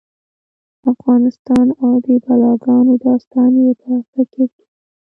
افغانستان او د بلاګانو داستان یې په فکر کې و.